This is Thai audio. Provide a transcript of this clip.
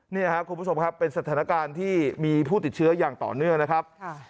นี่ครับคุณผู้ชมครับเป็นสถานการณ์ที่มีผู้ติดเชื้ออย่างต่อเนื่องนะครับ